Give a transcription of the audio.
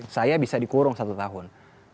saya bisa dikurung satu tahun